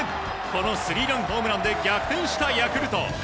このスリーランホームランで逆転したヤクルト。